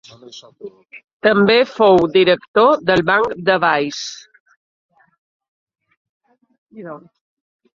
També fou director del Banc de Valls.